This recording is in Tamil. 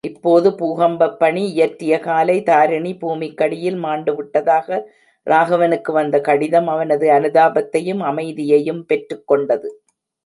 இப்போது, பூகம்பப்பணி இயற்றிய காலை தாரிணி பூமிக்கடியில் மாண்டுவிட்டதாக ராகவனுக்கு வந்த கடிதம் அவனது அனுதாபத்தையும் அமைதியையும் பெற்றுக்கொண்டது!